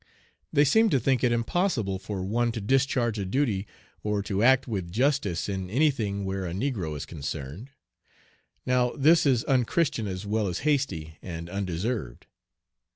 They seem to think it impossible for one to discharge a duty or to act with justice in any thing where a negro is concerned. Now this is unchristian as well as hasty and undeserved.